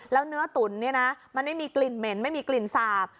แล้วเนื้อตุ๋นเนี่ยนะมันไม่มีกลิ่นเหม็นไม่มีกลิ่นสาบ